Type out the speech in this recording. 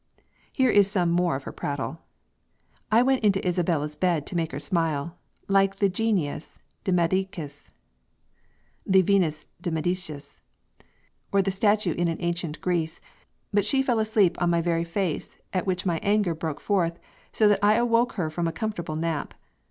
Here is some more of her prattle: "I went into Isabella's bed to make her smile like the Genius Demedicus [the Venus de' Medicis] or the statute in an ancient Greece, but she fell asleep in my very face, at which my anger broke forth, so that I awoke her from a comfortable nap.